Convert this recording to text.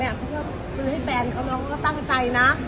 อยากซื้อให้แฟนเขาเนาะก็ตั้งใจนะ